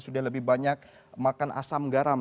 sudah lebih banyak makan asam garam